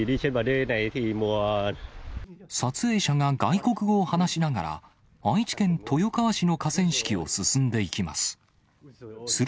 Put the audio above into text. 撮影者が外国語を話しながら、愛知県豊川市の河川敷を進んでいきます。